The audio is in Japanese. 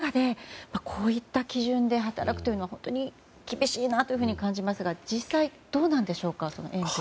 その中でこういった基準で働くのは本当に厳しいなと感じますが実際、どうなんでしょうか。